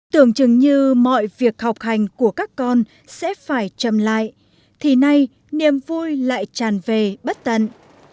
tưởng chừng như mọi việc học hành của các con sẽ phải chậm lại thì nay niềm vui lại tràn về bất tận